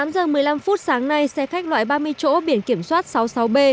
tám giờ một mươi năm phút sáng nay xe khách loại ba mươi chỗ biển kiểm soát sáu mươi sáu b một nghìn ba mươi năm